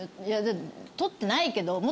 いや取ってないけど。